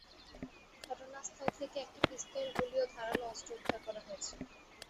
ঘটনাস্থল থেকে একটি পিস্তল, গুলি ও ধারালো অস্ত্র উদ্ধার করা হয়েছে।